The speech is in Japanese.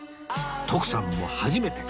徳さんも初めて